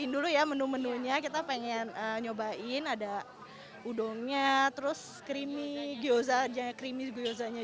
ya menunggu ya menu menunya kita pengen nyobain ada udonnya terus krimi gyoza jangkrimi gyozanya